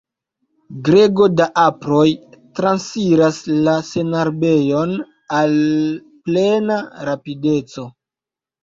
Grego da aproj transiras la senarbejon al plena rapideco.